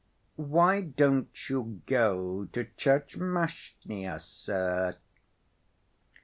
"Why don't you go to Tchermashnya, sir?"